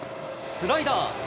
スライダー。